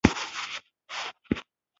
په رنګولو پیل وکړئ د پخېدو وروسته.